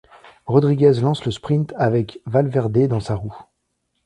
Rodríguez lance le sprint avec Valverde dans sa roue.